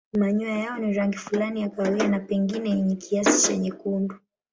Manyoya yao ni rangi fulani ya kahawia na pengine yenye kiasi cha nyekundu.